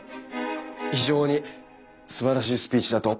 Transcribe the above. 非常にすばらしいスピーチだと。